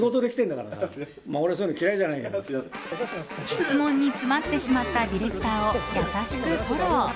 質問に詰まってしまったディレクターを優しくフォロー。